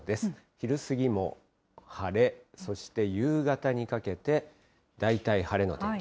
昼過ぎも晴れ、そして夕方にかけて、大体晴れの天気。